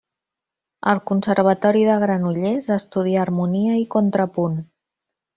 Al Conservatori de Granollers estudià harmonia i contrapunt.